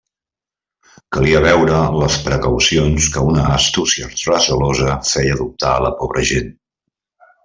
Calia veure les precaucions que una astúcia recelosa feia adoptar a la pobra gent.